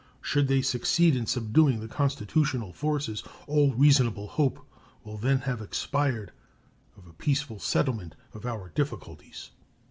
Should they succeed in subduing the constitutional forces, all reasonable hope will then have expired of a peaceful settlement of our difficulties.